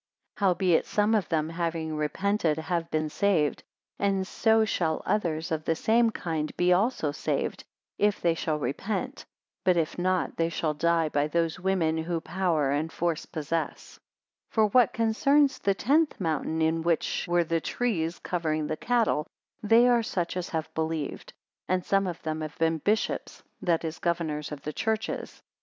228 Howbeit some of them, having repented, have been saved; and so shall others of the same kind be also saved, if they shall repent; but if not, they shall die by those women who power and force posses, 229 For what concerns the tenth mountain, in which were the trees covering the cattle, they are such as have believed; and some of them have been bishops, that is, governors of the churches.